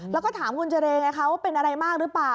แล้วก็ถามคุณเจรไงเขาเป็นอะไรมากหรือเปล่า